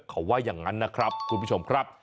เขาว่าอย่างนั้นนะครับคุณผู้ชมครับ